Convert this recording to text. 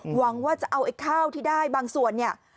หวังว่าจะเอาไอ้ข้าวที่ได้บางส่วนเนี่ย